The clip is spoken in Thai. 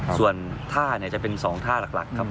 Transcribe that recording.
ส่วนท่าเนี่ยจะเป็นสองท่าหลักครับ